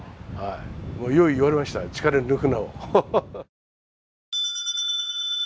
よう言われました、力を抜くなを。